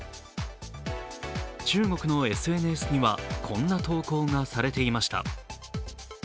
中国のＳＮＳにはこんな投稿がされていました。